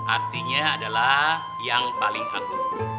artinya adalah yang paling aku